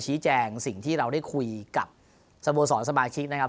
แจงสิ่งที่เราได้คุยกับสโมสรสมาชิกนะครับ